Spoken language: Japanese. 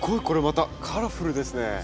これまたカラフルですね。